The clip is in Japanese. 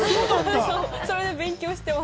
それで勉強してます。